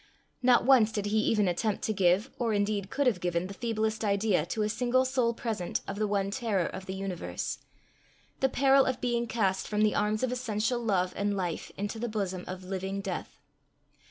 Not once did he even attempt to give, or indeed could have given, the feeblest idea, to a single soul present, of the one terror of the universe the peril of being cast from the arms of essential Love and Life into the bosom of living Death.